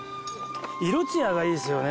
色つやがいいですよね。